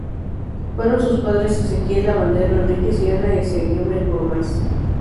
Fueron sus padres Exequiel Lavandero Enríquez y Ana Eyzaguirre Gormaz.